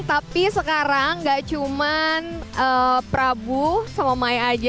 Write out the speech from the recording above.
tapi sekarang gak cuman prabu sama mai aja